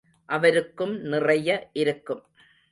அவருக்கும் நிறைய இருக்கும்.